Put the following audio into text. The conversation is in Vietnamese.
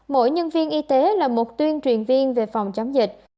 mỗi nhân viên y tế là một tuyên truyền viên về phòng chống dịch